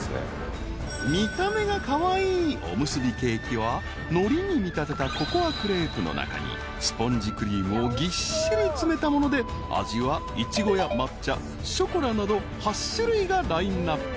［見た目がカワイイおむすびケーキはのりに見立てたココアクレープの中にスポンジクリームをぎっしり詰めたもので味は苺や抹茶しょこらなど８種類がラインアップ］